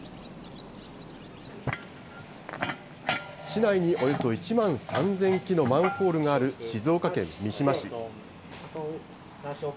市内におよそ１万３０００基のマンホールがある静岡県三島市。